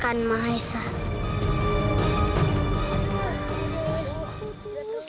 kalau tidak meninjutkah n sequel